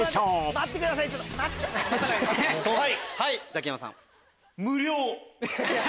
ザキヤマさん。